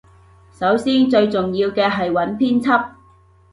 首先最重要嘅係揾編輯